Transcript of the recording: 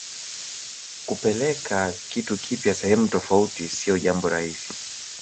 kupeleka kitu kipya sehemu tofauti siyo jambo rahisi